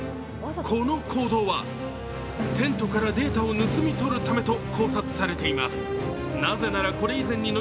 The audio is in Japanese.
この行動は、テントからデータを盗み取るためと考察されています。